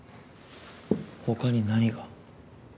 他に何が？